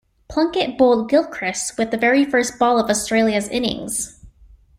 Plunkett bowled Gilchrist with the very first ball of Australia's innings.